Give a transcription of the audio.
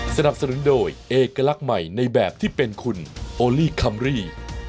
สนับสนุนโดยเอกลักษณ์ใหม่ในแบบที่เป็นคุณโอลี่คัมรี่